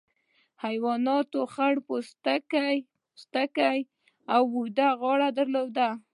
حیواناتو خړ پوستکي او اوږدې غاړې درلودې.